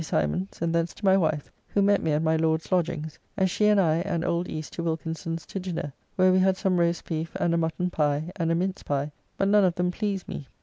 Symons, and thence to my wife, who met me at my Lord's lodgings, and she and I and old East to Wilkinson's to dinner, where we had some rost beef and a mutton pie, and a mince pie, but none of them pleased me.